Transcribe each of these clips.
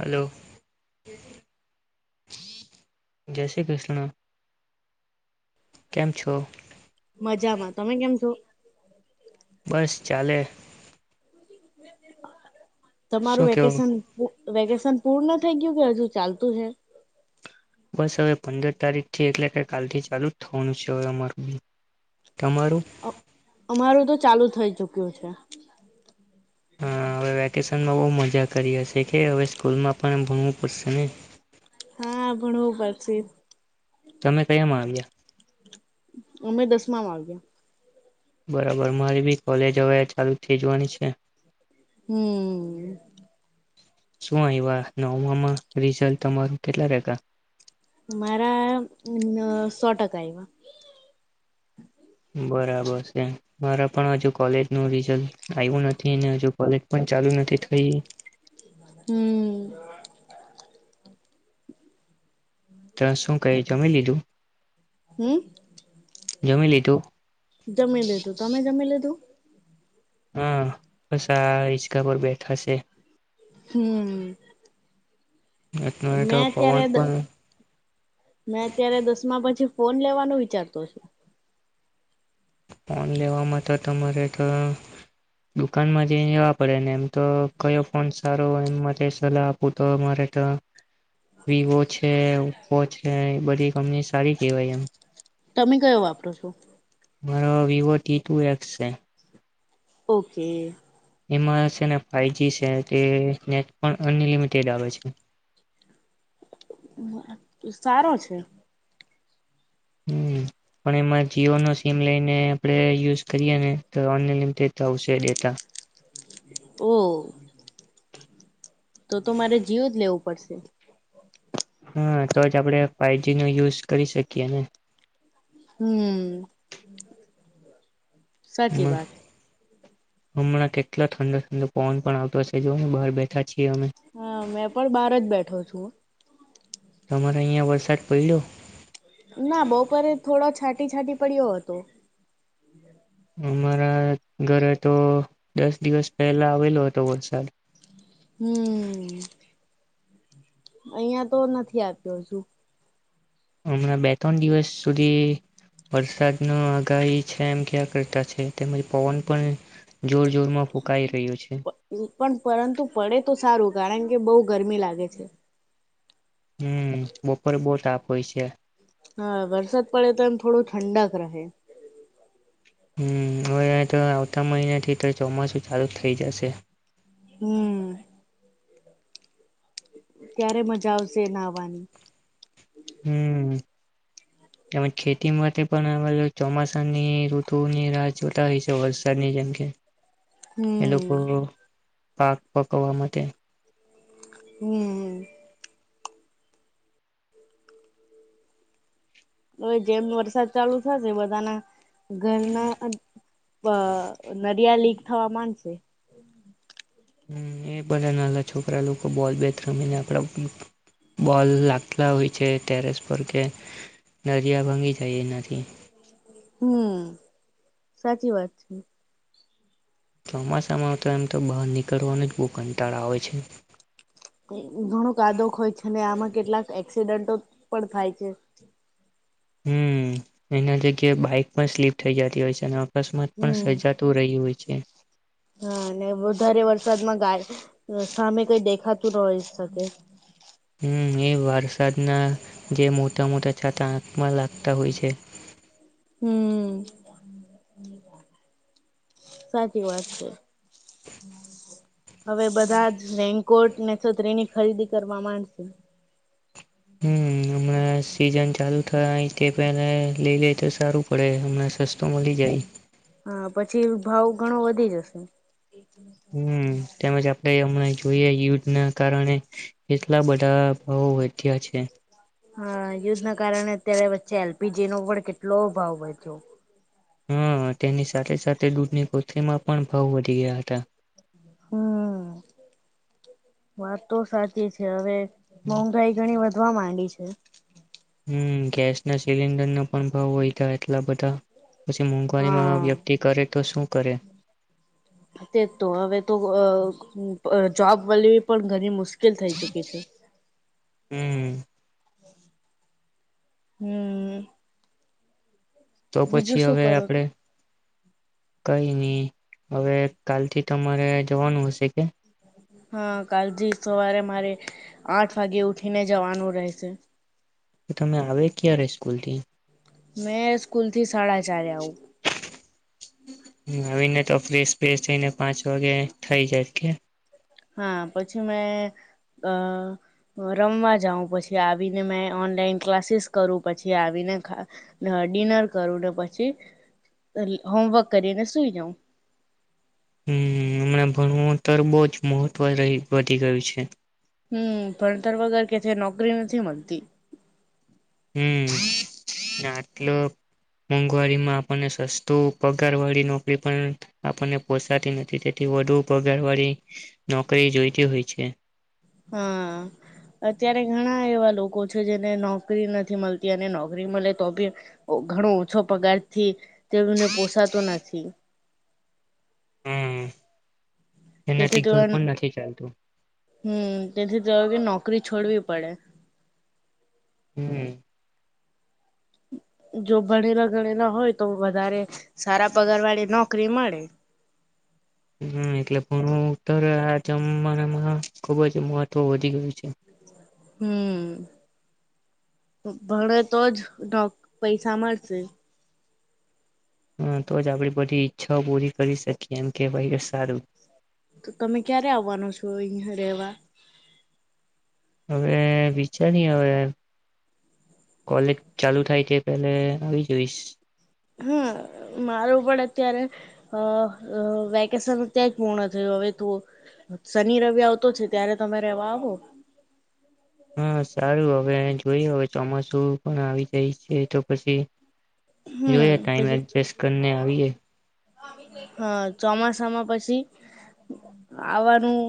Hello જય શ્રી કૃષ્ણ કેમ છો મજામાં તમે કેમ છો- બસ ચાલે શું તમારું કેવું વેકેશન વેકેશન પૂર્ણ થઈ ગયું કે હજુ ચાલતું હૈ બસ હવે પંદર તારીખ થી એટલે કે કાલથી ચાલુ જ થવાનું છે હવે અમારુ અ અમારું તો ચાલુ થઈ ચુક ગયું છે. [inaudible] કેશનમાં બોઉ મજા કરી હસે કે હવે સ્કૂલમાં પણ ભણવું પડશે ને હા ભણવું પડશે તમે કયામાં આવ્યા અમે દસમામાં આવ્યા- બરાબર મારી બી કોલેજ હવે ચાલુ થે‌ જવાની છે. હમ શું આવ્યા નવમાં રિઝલ્ટ તમારું કેટલા રેતા મારા અ સો ટકા આયવા બરાબર છે મારા પણ હજુ કોલેજ ન રિઝલ્ટ આવ્યું નથી ને હજુ કોલેજ પણ ચાલુ નથી થઈ હમ તો શું કહી જમી લીધું હમ જમી લીધુ જમી લીધું તમે જમી લીધું હા બસ આ ઇચકા પર બેઠા સે હમ અત્યારે તો મેં પવન અત્યારે દ પણ મેં અત્યારે દસમા પછી ફોન લેવાનો વિચારતો શે ફોન લેવામાં તો તમારે તો દુકાનમાં જઈ લેવા પડેને એમ તો કયો ફોન સારો એ સલાહ આપું તો મારે તો વિવો છે ઓપ્પો છે બધી કંપની સારી કહેવાય એમ તમે કયો વાપરો છો મારો વિવો ટી ટુ એક્સ છે. ઓકે એમાં છે ને ફાઇજી છે તે નેટ પણ અનલિમિટેડ આવે છે સારો છે હમ્મ પણ એમાં જીઓ નો સીમ લઈને આપણે યુઝ કરીએ ને તો અનલિમિટેડ આવશે ડેટા ઓ તો તો મારે જિયો જ લેવું પડશે હા તો જ આપણે ફાઈજી નો યુઝ કરી શકીએ ને હમ્મ સાચી વાત હમણાં કેટલો ઠંડો ઠંડો પવન પણ આવતો હશે જોને બહાર બેઠા છીએ અમે હા મેં પણ બહાર જ બેઠો છું તમારે અહિયાં વરસાદ પડ્યો ના બપોરે થોડો છાંટી છાંટી પડ્યો હતો અમારા ઘરે તો દસ દિવસ પહેલા આવેલો હતો વરસાદ હમ્મ અહિયાં તો નથી આવ્યો હજુ હમણાં બે ત્રણ દિવસ સુધી વરસાદ ન આગાહી છે એમ ક્યા કરતા છે તેમજ પવન પણ જોર જોર માં ફૂંકાઈ રહ્યું છે પન પણ પરંતુ પડે તો સારું કારણ કે બઉ ગરમી લાગે છે હમ્મ બપોરે બહુ તાપ હોય છે હા વરસાદ પડે તો એમ થોડું ઠંડક રહે હમ્મ હવે તો આવતા મહિના થી તો ચોમાસું ચાલુ થઈ જશે હમ્મ ત્યારે મજા આવશે એ નહવાની હમ્મ એમ ખેતી માટે પણ [unintelligible] ચોમાસાની ઋતુની રાહ જોતા હોય છે વરસાદની જેમ કે એ હમ. લોકો પાક પકવવા માટે હમ્મ હવે જેમ વરસાદ ચાલુ થશે બધાના ઘરના અ બા નરિયાલી હવામાન છે. હમ્મ એ બધા નાના છોકરા લોકો બોલ બેથ રમીને આપણા બોલ લાગતા હોય છે ટેરેસ પર કે નરિયા ભંગી જાય એનાથી. હમ્મ સાચી વાત છે. ચોમાસામાં તો એમ તો બહાર નીકળવાનું જ બહુ કંટાળ આવે છે. ઘણો કાદો હોય છે ને આમાં કેટલાક એક્સિડન્ટો પણ થાય છે. હમ્મ એના લીધે બાઈક પણ સ્લીપ થઇ જતી હોય છે. અકસ્માત પણ હમ સર્જાતું રયુ હોય છે. હા અને વધારે વરસાદમાં ગાય સામે કઈ દેખાતું ન હોય શકે. હમ એ વરસાદના, જે મોટા મોટા છાતા આંકમાં લાગતા હોય છે. હમ સાચી વાત છે. હવે બધા જ રેન કોર્ટ ને છત્રી એની ખરીદી કરવા માંડશે. હમ હમણાં સીઝન ચાલુ થાય તે પહે લઈ લે તો સારું પડે હમણાં સસ્તો મળી જાય. હા પછી ભાવ ઘણો વધી જશે. હમ તેમજ આપડે જોઈ યુદ્ધ ના કારણે, કેટલા બધા ભાવો વધ્યા છે. હા યુધ ના કારણે અત્યારે વચ્ચે એલ પી જી નો પણ કેટલો ભાવ વધ્યો. હા તેની સાથે સાથે દૂધની કોથળીમાં પણ ભાવ વધી ગયા હતા. હમ. વાત તો સાચી છે હવે મોંઘાઈ ગણી વધવા માંડી. છે. હમ ગેસ ના સિલિન્ડર ના પણ ભાવ હોયધા એટલા બધા. પછી મોંઘવારીમાં હા વ્યક્તિ કરે તો શું કરે? હમ. [unintelligible] જોબ વી પણ ઘણી મુશ્કેલ થઈ ચુકી છે. હમ. હમ. તો પછી હવે આપણેે કઈ નઈ, હવે કાલથી તમારે જવાનું હશે કે? હા કાલથી સવારે મારે, આઠ વાગે ઉઠીને જવાનું રહેશે. તો તમે આવે ક્યારે સ્કૂલ થી? મેં સ્કૂલ થી સાડા ચારે આવું. આવીને તો ફેશ ફેશ થઈને પાંચ વાગે થઈ જાય કે. હા પછી મે, રમવા જાઉં પછી આવીને મે ઓનલાઈન ક્લાસીસ કરું પછી આવીને, ડિનર કરું ને પછી, હોમવર્ક કરીને સુઈ જાઉં. હમ હમણાં ભણવું તો બહ જ મહત્વ વધી ગયું છે. હમ ભતર વગર કે છે નોકરી નથી મળતી. હમ આટલો મોંઘવારીમાં આપણને સસ્તું પગાર વાળી નોકરી પણ આપણને પોસાતી નથી તેથી વધુ પગાર વાળી નોકરી જોઈતી હોય છે હા અત્યારે ઘણા એવા લોકો છે જેને નોકરી નથી મળતી અને નોકરી મળે તો બી ઘણો ઓછો પગાર થી તેવીને પોસાતો નથી હમ તેથી એનાથી તો ઘર અમ પણ નથી ચાલતું હમ તેથી તે નોકરી છોડવી પડે હમ જો ભણેલા ગણેલા હોય તો વધારે સારા પગારવાળી નો કિ મડે હમ એટલે પણ હુ અતર આ જમાનામાં ખુબ જ મહત્વ વધી ગયું છે હમ ભણે તો જ પૈસા મળશે હા તો જ આપડી બધી ઈચ્છાઓ પૂરી કરી શકીએ એમ કેવાય સારું તો તમે ક્યારે આવવાનો છો અહિયાં રહેવા હવે વિચારી હવે કોલેજ ચાલુ થાય તે પેલે આવી જોઈશ હા મારું પણ અત્યારે અ વેકેશનત્યાં જ પૂર્ણ થયું હવે તું શનિ રવિ આવતો છે ત્યારે તમે રેવા આવો હા સારું હવે જોઈયે હવે ચોમાસું પણ આવી જાય છે તો પછી હમ જોએ ટાઈમ પછી એડજસ્ટ કરીને આવીએ હા ચોમાસામાં પછી આવવાનું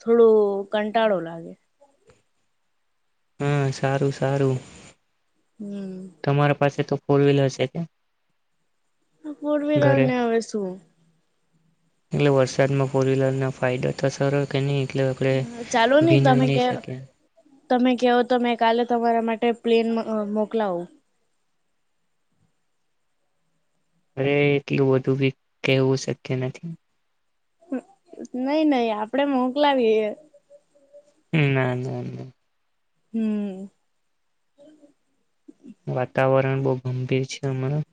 થોડું કંટાળો લાગે હા સારું સારું હમ તમારા પાસે તો ફોર વ્હીલર શે કે કોર વ્હીલર ઘરે ને હવે સુ એટલે વરસાદમાં ફોર વ્હીલરના ફાયદા તો સર કે નહી મતલબ ચાલો આપડે નહી ભીનઈ તમે નહીં કે શકેે તમે કહો તો મે કાલે તમારા માટે પ્લેન મોકલાવુ અરે એટલું વધુ બી કેવું શક્ય નથી નઈ નઈ આપડે મોકલાવી ના ના ના હમ્ વાતાવરણ બહુ ગંભીર છે અમારા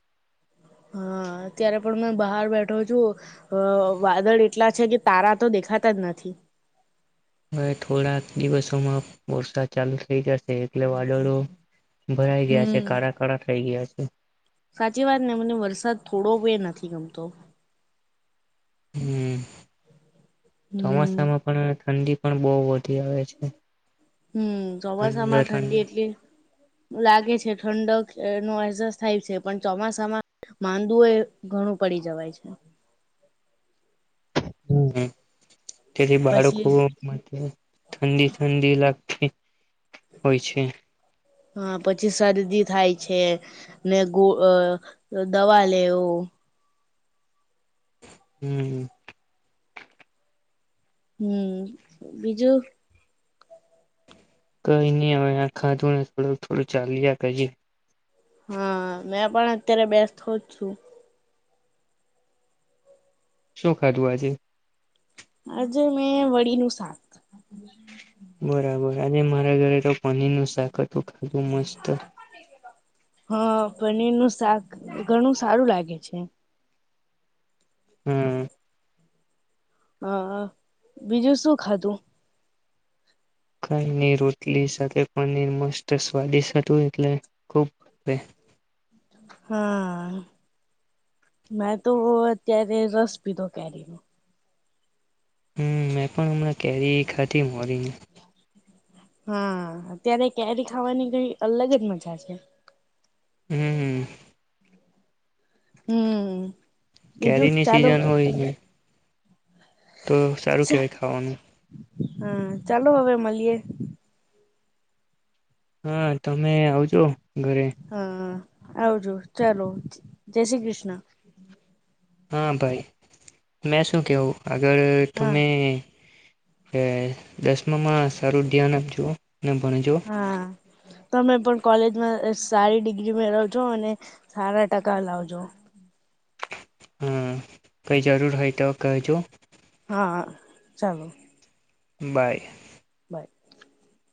હા અત્યારે પણ મેં બહાર બેઠો છું વાદળ એટલા છે કે તારા તો દેખાતા જ નથી હવે થોડાક દિવસોમાં વરસાદ ચાલુ થઈ જશે એટલે વાદળો ભરાઈ ગયા છે હમ. કાળા કળા થઇ ગયા છે હા [inaudible] સાચી વાત ને મને વરસાદ થોડો બે નથી ગમતો હમ હમ. ચોમાસામાં પણ ઠંડી પણ બહુ વધી આવે છે હમ ચોમાસા ઠંડો માં ઠંડો ઠંડી એટલી લાગે છે ઠંડક એનો અહેસાસ થાય છે પણ ચોમાસામાં માંદુ એ ઘણું પડી જવાય છે. હમ હમ તેથી પછી બાળકો મા ઠંડી ઠંડી લાગ થી હા પછી સરદી થાય છે ને ગો અ દવા લેવું હમ હમ બીજું કઈ નઈ અવે આ ખાધુંને થોડુંક થોડું ચાલીયા કરીએ હા મેં પણ અત્યારે બેસતો જ છું શું ખાધું આજે આજે મેં વળીનું શાક બરાબર આજે મારા ઘરે તો પનીરનું શાક હતું. ખુંબ મસ્ત હ પનીરનું શાક ઘણું સારું લાગે છે. હમ હ બીજું શું ખાધું કાયની રોટલી સાથે પનીર મસ્ત સ્વાદિષ હતું એટલે ખૂબ હા મેં તો અત્યારે રસ પીધો કેરીનો હમ મેં પણ હમણાં કેરી ખાધી મરી ગયુ હા અત્યારે કેરી ખાવાની કઈ અલગ જ મજા છે. હમ હ હમ બીજું કેરીની ચાલો સિઝન હોય ને તો સારું કહેવાય ખાવાનું હા ચાલો હવે મલીએ હા તમે આવજો ઘરે હા આવજો ચાલો જય શ્રી કૃષ્ણ હા ભાઈ મેં શું કેવું અગર હા તમે કે દસમામાં સારું ધ્યાન આપ જો ને ભણજો હા તમે પણ કોલેજમાં અ સારી ડિગ્રી મેળવજો અને સારા ટકા લાવજો હમ કઈ જરૂર હોય તો કહેજો હા ચાલો બાય [inaudible]